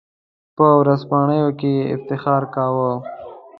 په ورځپاڼو کې یې افتخار کاوه.